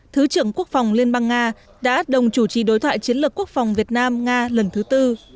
thứ trưởng quốc phòng liên bang nga đã đồng chủ trì đối thoại chiến lược quốc phòng việt nam nga lần thứ tư